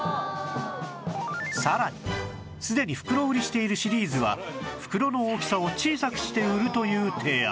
さらにすでに袋売りしているシリーズは袋の大きさを小さくして売るという提案